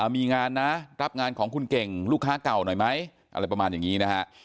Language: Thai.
มีงานนะรับงานของคุณเก่งลูกค้าเก่าหน่อยไหมอะไรประมาณอย่างนี้นะฮะ